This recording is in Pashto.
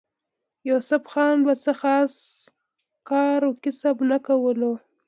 يوسف خان به څۀ خاص کار کسب نۀ کولو